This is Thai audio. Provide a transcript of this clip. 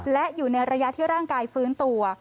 และอยู่ในระยะที่ร่างกายฟื้นตัว